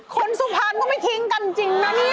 สุพรรณก็ไม่ทิ้งกันจริงนะเนี่ย